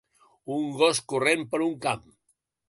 Un gos corrent per un camp.